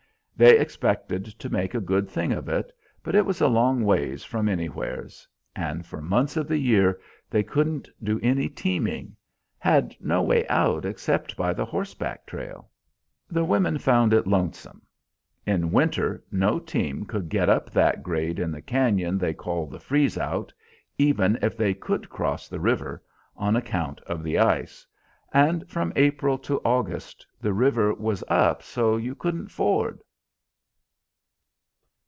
They expected to make a good thing of it, but it was a long ways from anywheres; and for months of the year they couldn't do any teaming. Had no way out except by the horseback trail. The women found it lonesome. In winter no team could get up that grade in the cañon they call the "freeze out," even if they could cross the river, on account of the ice; and from April to August the river was up so you couldn't ford.